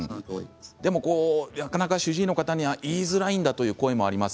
なかなか主治医の方には言いづらいという声もあります。